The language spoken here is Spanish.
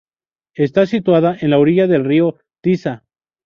Está situada en la orilla del río Tisza.